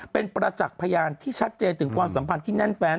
เป็นประจักษ์พยานที่ชัดเจนถึงความสัมพันธ์ที่แน่นแฟน